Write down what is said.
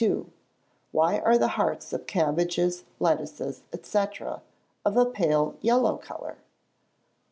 _Why are the hearts of cabbages, lettuces, &c., of a pale yellow colour?